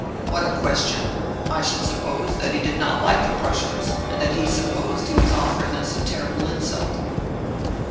"What a question! I should suppose that he did not like the Prussians, and that he supposed he was offering us a terrible insult."